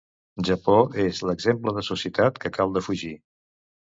Japó és l'exemple de societat que cal defugir.